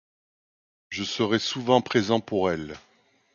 Je serais souvent présent pour elle